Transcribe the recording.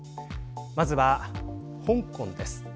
まずは香港です。